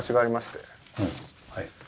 はい。